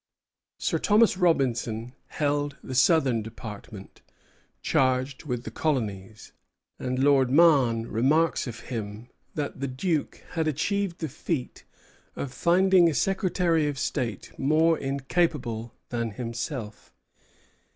Sir Thomas Robinson held the Southern Department, charged with the colonies; and Lord Mahon remarks of him that the Duke had achieved the feat of finding a secretary of state more incapable than himself.